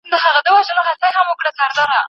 پر تقوی باندي ملازمت څه معنی لري؟